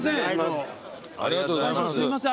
すいません。